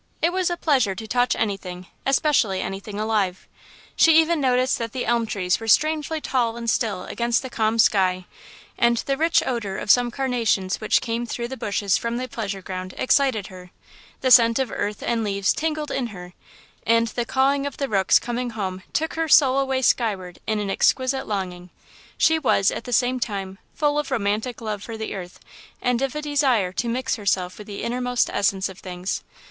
It was a pleasure to touch anything, especially anything alive. She even noticed that the elm trees were strangely tall and still against the calm sky, and the rich odour of some carnations which came through the bushes from the pleasure ground excited her; the scent of earth and leaves tingled in her, and the cawing of the rooks coming home took her soul away skyward in an exquisite longing; she was, at the same time, full of romantic love for the earth, and of a desire to mix herself with the innermost essence of things.